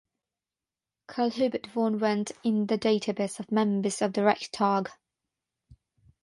Carl Hubert von Wendt in the database of members of the Reichstag